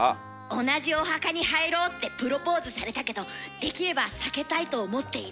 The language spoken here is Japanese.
「同じお墓に入ろう」ってプロポーズされたけどできれば避けたいと思っている。